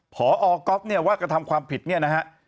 พอก๊อฟเนี่ยว่ากระทำความผิดเนี่ยนะฮะ